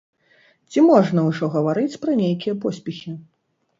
Ці можна ўжо гаварыць пра нейкія поспехі?